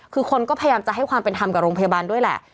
คือคนก็พยายามจะให้ความเป็นธรรมกับโรงพยาบาลด้วยแหละ